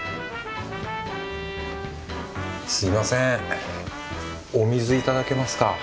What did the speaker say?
すみませんお水いただけますか？